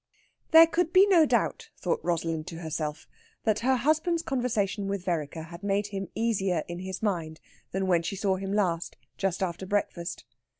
There could be no doubt, thought Rosalind to herself, that her husband's conversation with Vereker had made him easier in his mind than when she saw him last, just after breakfast.